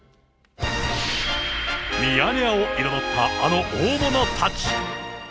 ミヤネ屋を彩ったあの大物たち。